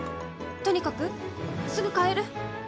とにかく、すぐ帰る。